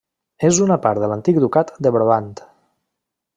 És una part de l'antic ducat de Brabant.